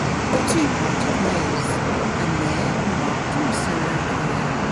The two parted ways, and Mayer embarked on a solo career.